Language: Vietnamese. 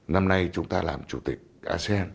năm nay chúng ta làm chủ tịch asean